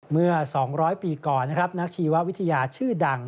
เมื่อ๒๐๐ปีก่อนนะครับนักชีววิทยาชื่อดัง